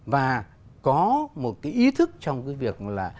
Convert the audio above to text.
và có một cái ý thức trong cái việc là